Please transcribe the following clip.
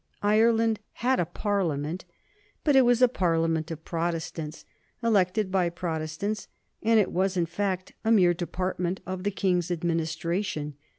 Ireland had a Parliament, but it was a Parliament of Protestants, elected by Protestants, and it was in fact a mere department of the King's Administration.